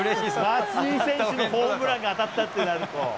松井選手のホームランが当たったってなると。